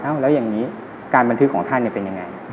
อ้าวแล้วอย่างนี้การบันทึกของท่านเนี่ย